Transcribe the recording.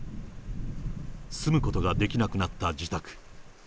住むことができなくなった自宅。